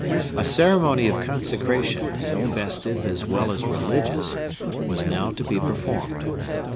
A ceremony of consecration, festive as well as religious, was now to be performed.